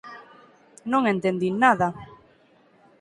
Non entendín nada.